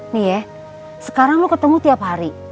nih ya sekarang lo ketemu tiap hari